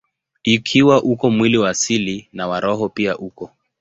Ikiwa uko mwili wa asili, na wa roho pia uko.